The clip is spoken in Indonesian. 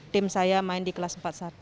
tim saya main di kelas empat puluh satu